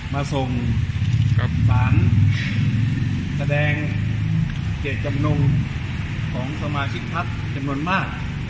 มาส่งกับสารแสดงเจตจำนงของสมาชิกพักจำนวนมาก